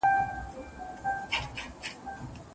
نو هوښیار یې.